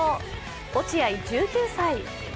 落合１９歳。